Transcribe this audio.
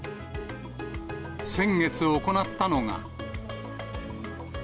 先月行ったのが。